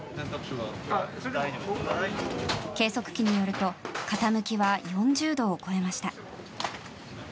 計測器によると傾きは４０度を超えました。